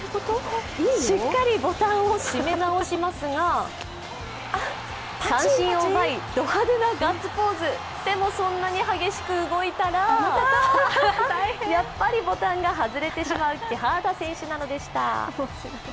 しっかりボタンを締め直しますが三振を奪い、ド派手なガッツポーズでもそんなに激しく動いたらやっぱりボタンが外れてしまうキハーダ選手なのでした。